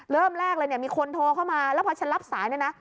เริ่มแรกเลยเนี่ยมีคนโทรเข้ามาแล้วพอฉันรับสายเนี่ยนะ